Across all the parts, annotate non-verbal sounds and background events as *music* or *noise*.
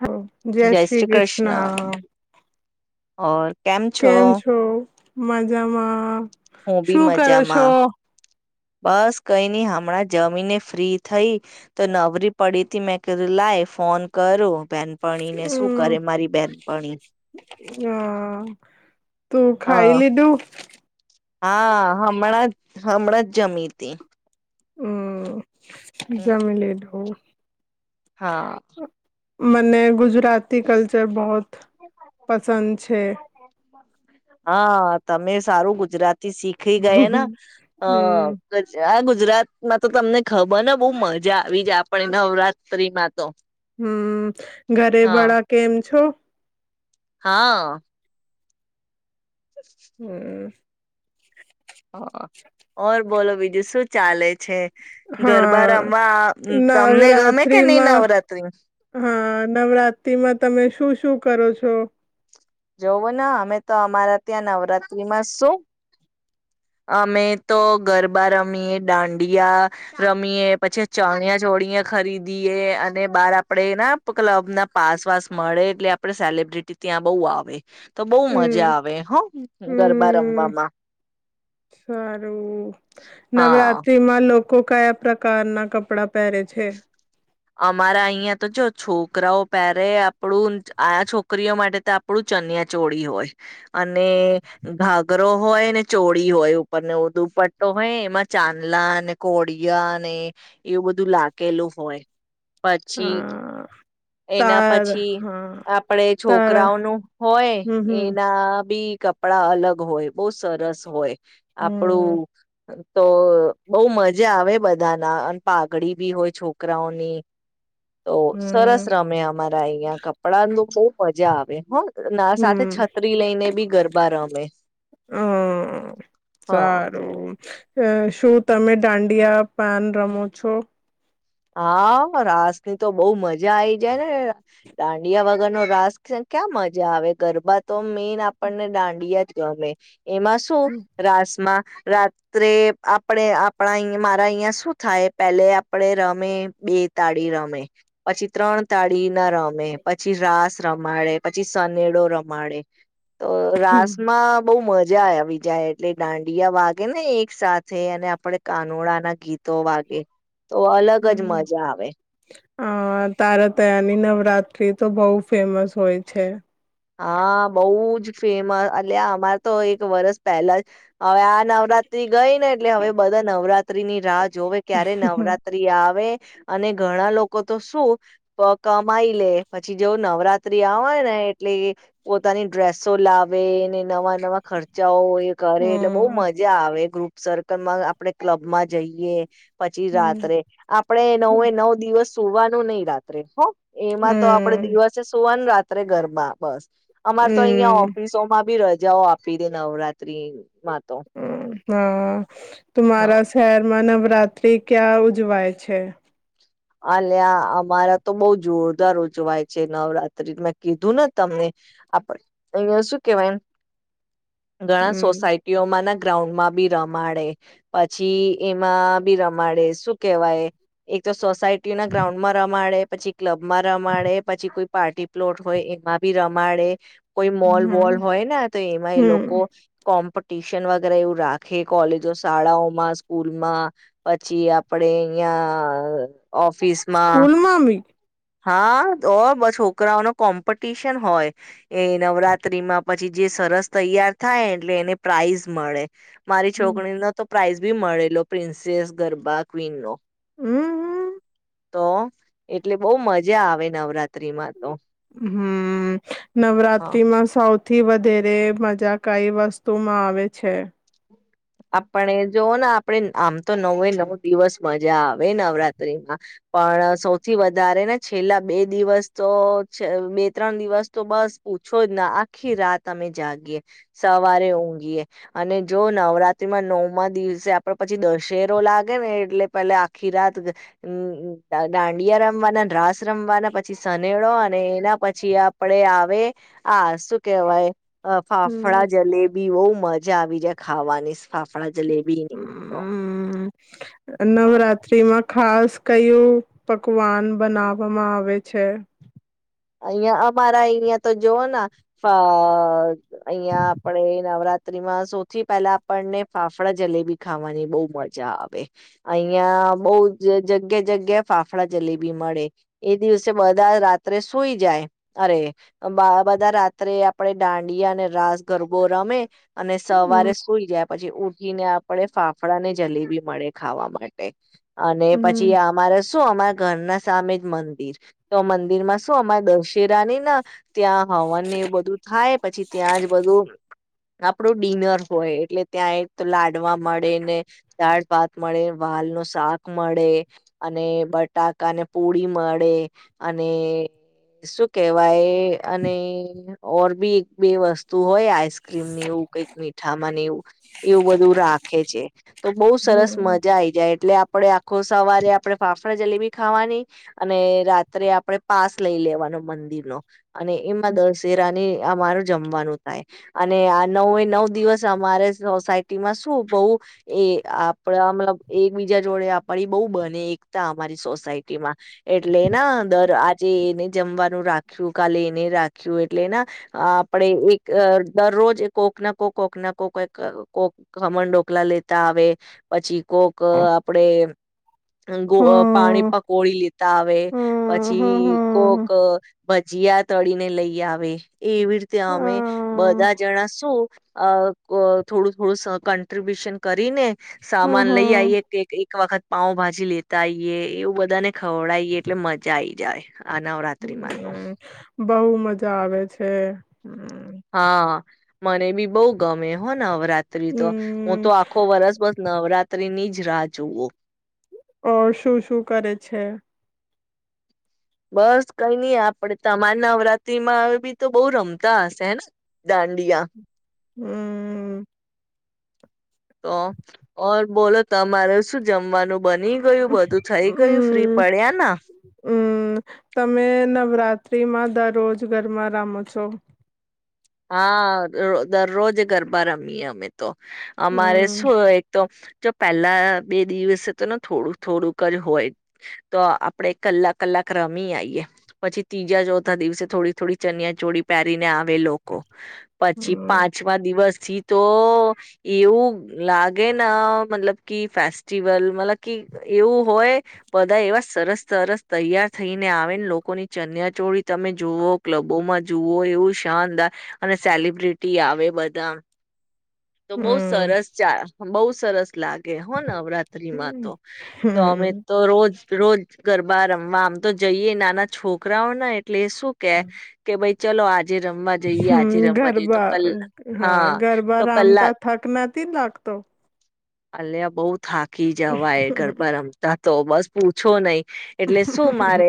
હ જય શ્રી કૃષ્ણ શ્રીકૃષ્ણ. ઓર. કેમ છો? માજામાં. હું બી શું કરો છો? મજામાં બસ કઈ નહી હમણાં જમીને ફ્રી થઈ તો નવરી પડીતી મેંકે લાય ફોન કરો બેન હમ્મ હા તું હ ખાઈ લીધું હા હમણાં જ હમણાં જ જમી હતી હમ્મ એઝામમે લેટ હો. હા. મને ગુજરાતી કલ્ચર બહુત પસંદ છે. હા તમે સારું ગુજરાતી શીખી ગયાને અ આ હમ ગ *unintelligible* ગુજરાતમાં તો તમને ખબર ને બહુ મજા આવીજ આપણે નવરાત્રી માં. તો. હમ્મ હા ઘરેબડા કેમ છો? હા. હમ્મ. હા ઓર બોલો બીજું શું ચાલે છે. ગરબા હા રમવા તમને ગમે કે નહી નવરાત્રીમાં નવરાત્રી હા નવરાત્રીમાં તમે શું શું કરો છો. જોવ ને અમે તો અમારા ત્યાં નવરાત્રીમાં શું અમે તો ગરબા રમીએ દાંડિયા રમીએ પછી ચણિયા ચોળિયા ખરીદીએ અને બહાર આપડે ના ક્લબ ના પાસ વાસ મળે એટલે આપડે સેલબ્રિટી ત્યાં બઉુ આવે તો બહ હમ મજા આવે હ ગરબા હમ રમવામાં સારું હા. કો કયા પ્રકારના કપડા પેરે છે. અમારા અહિયાં તો જો છોકરાઓ પેરે આપણું આ છોકરીઓ માટે તો આપણું ચન્યાચોળી હોય અને ઘાઘરો હોય ને ચોળી હોય ઉપરને દુપટ્ટો હોય એમાં ચાંદલા અને કોળિયા ને એવું બધું લાગ કેલું હોય પછી હા એના તાર પછી હા આપડે તારા છોકરાઓનું હોય હમ હમ એના બી કપડા અલગ હોય બહુ સરસ હોય. હમ આપણું તો બઉ મજા આવે બધા ના અન પાઘડી બી હોય. છોકરાઓની તો સરસ હમ રમે અમારા અહ્યા કપડાનું ખુબ મજા આવે હ ના સાથે હમ છત્રી લઈને બી ગરબા રમે અ હ હમ્મ શું તમે દાંડિયા પાન રમો છો? આ રાસ ની તો બહુ મજા આઈ જાય ને દાંડિયા વગર નો રાસ ક્યાં મજા આવે ગરબા તો મેન આપણને ડાડિયા જ ગમે એમાં શું હમ રાસ માં રાત્રે આપડે આપણા અ મારા અહિયા શું થાય પેલે આપડે રમ મેં બે તાળી રમે પછી ત્રણ તાળી ના રમે પછી રાસ રમાડે પછી સનેડો રમાડે તો રાસ માં બહુ મજ *unintelligible* વિજા એટલે દાંડિયા વાગે ને એક સાથે અને આપણે કાનુડાના ગીતો વાગે તો *unintelligible* ગજ મજા આવે આ તારાતયાની નવરાત્રી તો બહુ ફેમસ હોય છે. હા બહુ જ ફેમ અલ્યા અમારે તો એક વરસ પહેલા જ હવે આ નવરાત્રી ગઈને એટલે હવે બધા નવ ત્રીની રાજ જોવે ક્યારે હમ નવરાત્રી આવે અને ઘણા લોકો તો શું પ કમાઈ લે પછી જોવું નવરાત્રી આવેય ને એટલે એ પોતાની ડ્રેસો લાવે ન નવા નવા ખર્ચાઓ *inaudible* કરે એટલે બહુ હમ મજા આવે ગ્રુપ સર્કલ *unintelligible* આપડે ક્લબમાં જઈએ પછી હમ રાત્રે આપડે નવે નવ દિવસ સુવાનું નહિ રાત્રે હો એમાં તો આપડે હમ દિવસે સુવાનું રાત ત્રે ગરબા બસ અમાર તો અહિયાં હમ ઓફિસોમાં બી ર જાઓ આપી દે નવરાત્રી *unintelligible* *unintelligible* હા તો મારાં શહેરમાં નવ રાત્રિ ક્યાં ઉજવાય છે. આલિયા અમારા તો બઉ જોરદાર ઉજવાય છે નવરાત્રી મેં કીધું ને તમને *inaudible* અહ્યા શું કેવાયમ ઘણા હમ સોસાયટીઓમાં ના ગ્રાઉન્ડમાં બી રમાડે પછી એમાં બી રમાડે શું કેહેવાય એક તો સોસાયટીના ગ્રાઉન્ડમાં રમાડે. પછી ક્લબમાં રમાડે પછી કોઈ પાર્ટી પ્લોટ હોય એમાં બી રમાડે. કોઈ મોલ હમ વોલ હોય ને તો એમાં એ હમ લોકો, કોમ્પો ટ્યુશન વગેરે એવું રાખે કોલેજો શાળાઓમાં સ્કૂલમાં, પછી આપણે અહીયા ઓફ સ્કૂલ માં બી? હા, તો છોકરાઓનો કોમ્પિટિશન હોય, એ નવરાત્રીમાં પછી જે સરસ તૈયાર થાય એટલે એને પ્રાાઈઝ મળે. મારી છોકરીનો તો પ્રાાઈઝ બી મળેલો પ્રિન્સેસ ગરબા ક્વીન નો. હમ હમ. તો એટલે બઉુ મજા આવે નવરાત્રિમાં. હમ હા નવરાત્રીમાં સાવ થી વધારે મજા કઈ વસ્તુમાં આવે છે? આપણે જો ને આપણે આમ તો નવે નવ દિવસ મજા આવે નવરાત્રીમાં, પણ સૌથી વધારે ને છેલ્લા બે દિવસ તો બે ત્રણ દિવસ તો બસ પૂછો જ ના આખી રાત અમે જાગીએ, સવારે ઊંઘીએ, અને જો નવરાત્રી એમાં નવમાં દિવસે આપણે પછી દશેરો લાગે ને એટલે પેલા આખી રાત, દાંડિયા રમવાના રાસ રમવાના પછી સનેળો અને એના પછી આપડે આવે આ શું કેહેવાય. અ હમ ફાફડા જલેબી બઉ મજા આવી જાય ખાવાની. ફાફળા જલેબી ન તો. હ નવરાત્રીમાં ખાસ કયું પકવાન બનાવામાં આવે છે. અહીયાં અમારા અહી તો જોઉને અહી આપણેે નવરાત્રીમાં સૌથી પહેલા આપણને ફાફડા જલેબી ખાવાની બોહ મજા આવે. અહી બહુ જગ્યા જગ્યા ફાફડા જલેબી મળે એ દિવસે બધા રાત્રે સુઈ જાય અરે બધા રાત્રે આપણે દાંડિયા અને રાસ ગરબો રમે. અને હમ સવારે સુઈ જાય. પછી ઉથી ને આપણે ફાફડા ને જલેબી મળે ખાવા માટે. અને પછી હમ અમારે. શું અમારા ઘરના સામે જ મંદિર તો મંદિર માં તો અમારે દશેરાની ના ત્યાં હવનને બધું થાઈ એવું પછી ત્યાં જ બધું આપણું ડિનર હોય એટલે ત્યાં એક તો લાડવા મળે, ને દાળ ભાત મળે, વાલ નું શાક મળે અને બટાકાને પુરી મળે અને શું કેવાય? અને ઓર બી એક બે વસ્તુ હોય આઈસક્રીમ એવું કઈક મીઠામાં ને એવું એવું બધું રાખે છે તો બહુ સરસ હમ મજા આઈ જાય એટલે આપણે આખો સવારે આપણે ફાફડા જલેબી ખાવાની અને રાત્રે આપણેે પાસ લઈ લેવાનો મંદિરનો અને એમાં દશેરાની અમારું જમવાનું થાય અને આ નવ નવ દિવસ અમારે સોસાયટીમાં શું બહુ એ આપણા મતલબ એકબીજા જોડે આપણી બહુ બને એકતા અમારી સોસાયટીમાં એટલે ના દર જે એને જમવાનું રાખ્યું. કાલે એને રાખ્યું એટલેના ના આપડે એક દરરોજ કોક ના કોક કોક ના કોક કોઈક કોક ખમણ ઢોકલા લેતા આવે પછી... કોક આપડે હ હ પાણી પકોડી લેતા આવે હ હ પછી... કોક... ભજીયા તડીને લઈ આવે. એવી રીતે હ અમે બધા જણા શું... અ પ થોડું-થોડું સ કોન્ટ્રીબ્યુશન કરીને. હમ સામાન લઈ હમ. આઈયે એક-એક વખત. પાવભાજી લેતા આઈએ એવું બધાને ખવડાઈએ એટલે મજા આઈ જાય. આ નવરાત્રીમાં તો... હમ બહુ મજા આવે છે. હા મને બી બહુ ગમે હો. નવરાત્રી તો, હું તો હમ આખો વરસ બસ નવરાત્રીની જ... જ રાહ જોવો. ઓર શું-શું કરે છે. બસ કઈ નઈ આપડે તમારે નવરાત્રીમાં બી તો બહુ રમતા હશે હેને દાંડિયા. હમ... તો, ઓર... બોલો તમારે શું જમ... જમવાનું બની ગયું. બધું થઈ ગયું. ફ્રી હમ. પડ્યા ના. ફ્રી માં દરરોજ ઘરમાં રમો છો. હા દર દરરોજ ગરબા રમીયે અમે. તો, અમારે હમ. શું એક તો... જો પહેલા બે દિવસે તો ન થોડું થોડું થોડુંક જ હોય તો આપડે કલાક કલાક રમી આઇયે પછી ત્રીજા ચોથા દિવસે થોડી થોડી ચનિયા ચોડી પહેરીને આવે લો... ક... પછી હમ. પાંચમા દિવસ થી... તો એવું લાગે ન મતલબ કી ફેસ્ટિવલ મતલબ કી એવું હોય બધા એવા સરસ-સરસ તૈયાર થઈને આવે ન લોકોની ચણીયા છોડી તમે જુઓ ક્લબોમાં જુઓ એવુ શાનદાર... અને સેલિબ્રિટી આવે બધા. તો બઉુ હમ સરસ ચા... બહુ સરસ લાગે હો ન. નવરાત્રીમાં તો તો અમે હમ. તો રોજ-રોજ... ગરબા રમવા આમ તો જઇયે નાના છોકરાઓને... એટલે શું કે કે ભઈ... ચલો આજે રમ... હમ ગરબા હા ગરબા તો કલાક રામતા થાક ના... તીન લાખ તો. અલીયા બહુત.. થાકી જવાય ગરબા રમતા તો બસ પૂછો નહિ એટલે શું મારે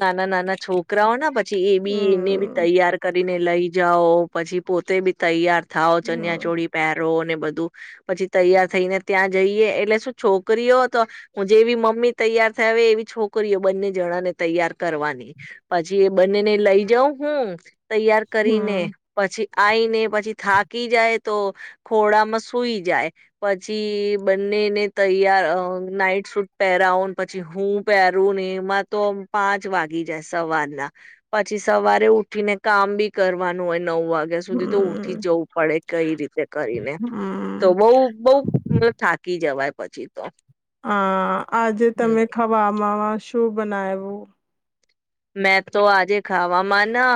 નાના નાના છોકરાઓના પછી એ બી એને બી હમ તૈયાર કરીને લઈ જાઓ પછી પોતે બી તૈયાર થાઓ ચન્યા હમ ચોળી પહેરો અને બધું પછી તૈયાર થઈને ત્યાં જઈએ એટલે શું છોકરીઓ તો હું, જેવી મમ્મી તૈયાર *unintelligible* એવી છોકરીઓ બંને જણાને તૈયાર કરવાની, પછી એ બંનેને લઈ જાઉં હું તૈયાર કરીને હમ પછી આઈને પછી થાકી જાય તો ખોડામાં સૂઈ જાય. પછી બંનેને તૈયાર અ નાઈટ સૂટ પહેરાવો પછી હું પહેરું ને એમાં તો પાંચ વાગી જાય સવાર ના પછી સવારે ઉઠીને કામ બી કરવાનું. નવ વાગ્યા સુધી તો ઉઠી જ જવું પડે કઈ રીતે કરીને, હમ હમ. તો બઉ બઉ, હું તો થાકી જવાય પછી. તો આ, આજે હમ તમે ખવામાં શું બનાયવું? મેં તો આજે ખાવામાં ના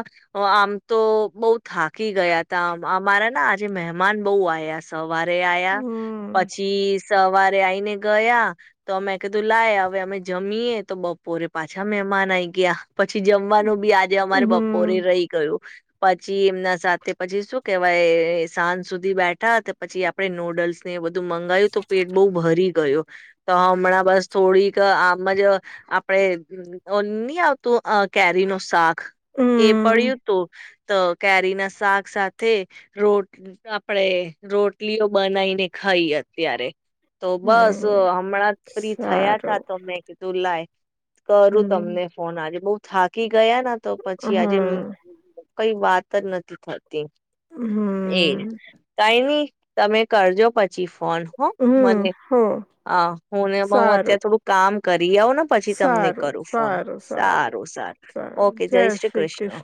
આમ તો બઉ થાકી ગયાતા, અમારા ના આજે મહેમાન બહુ આયા સૌ વારે આયા હમ પછી સવારે આઈને ગયા તો અમે કીધું લાય હવે અમે જમીએ તો બપોરે પાછા મહેમાન આઈ ગયા. પછી જમવાનું બી આજે અમારે બપોરે હમ રહી ગયું. પછી એમના સાથે, પછી શું કેવાય સાંજ સુધી બેઠા તે પછી આપડે નૂડલ્સ ને બધું તો મંગાયું તો પેટ બહુ ભરી ગયો. તો હમણાં બસ થોડીક આમ જ આપડે *unintelligible* આવ તો અહ કેરી નો સાક એ હમ પડ્યું તું. તો કેરી ના શાક સાથે રો આપડે રોટલીઓ બનાઈને ખાઈએ અત્યારે. તો બસ હમ હમણાંજ ફ્રી થયાતા સારું તો મેં કીધું લાય. કરું હમ તમને ફોન આજે. બઉ થાકી ગયા ના તો પછી આજે અમ. હમ કઈ વાત જ નથી થતી. એ હમ તાય ની તમે કરજો પછી પણ હો હમ મને હો આ હું ને *unintelligible* સારું અત્યારે થોડું કામ *unintelligible* ને પછી તમને સારું કરું ફોન સારું સારું સારું ઓકે જય શ્રી કૃષ્ણ હા